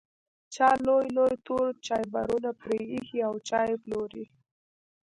چا لوی لوی تور چایبرونه پرې ایښي او چای پلوري.